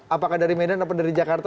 apakah dari medan atau dari jakarta